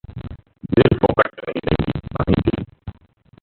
“दिल फोकट में नहीं देंगी” माही गिल